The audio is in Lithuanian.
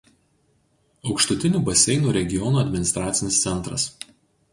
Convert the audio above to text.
Aukštutinių Baseinų regiono administracinis centras.